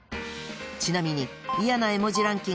ちなみに嫌な絵文字ランキング